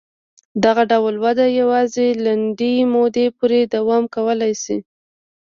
دغه ډول وده یوازې لنډې مودې پورې دوام کولای شي.